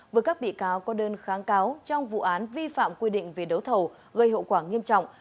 với các bị cáo có đơn kháng cáo trong vụ án vi phạm quy định về đấu thầu gây hậu quả nghiêm trọng